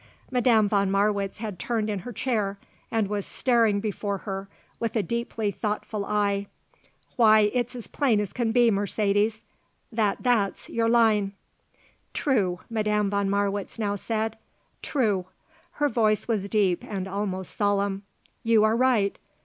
Madame von Marwitz had turned in her chair and was staring before her with a deeply thoughtful eye. "Why, it's as plain as can be, Mercedes, that that's your line." "True," Madame von Marwitz now said. "True." Her voice was deep and almost solemn. "You are right.